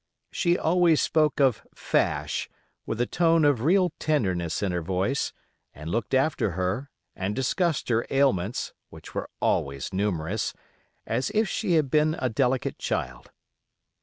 She always spoke of "Fash" with a tone of real tenderness in her voice, and looked after her, and discussed her ailments, which were always numerous, as if she had been a delicate child.